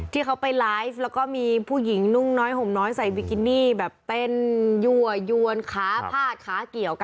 ที่เขาไปไลฟ์แล้วก็มีผู้หญิงนุ่งน้อยห่มน้อยใส่บิกินี่แบบเต้นยั่วยวนขาพาดขาเกี่ยวกัน